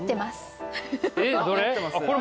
えっどれ？